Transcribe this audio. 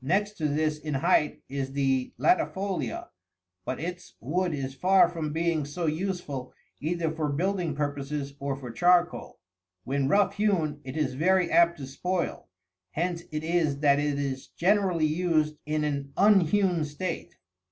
Next to this in height is the latifolia, but its wood is far from being so useful either for building purposes or for charcoal. When rough hewn it is very apt to spoil, hence it is that it is generally used in an unhewn state.